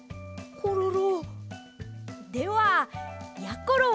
コロロ。